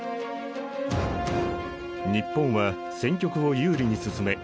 日本は戦局を有利に進め